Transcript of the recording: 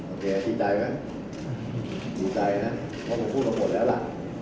โอเคดีใจไหมดีใจนะเพราะผมพูดมาหมดแล้วล่ะ